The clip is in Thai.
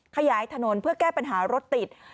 ขยายถนนเพื่อแก้ปัญหารถติด